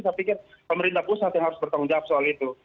saya pikir pemerintah pusat yang harus bertanggung jawab soal itu